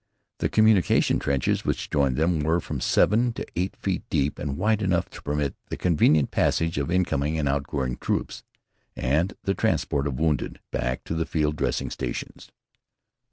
The communication trenches which joined them were from seven to eight feet deep and wide enough to permit the convenient passage of incoming and outgoing troops, and the transport of the wounded back to the field dressing stations.